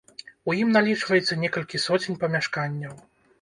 У ім налічваецца некалькі соцень памяшканняў.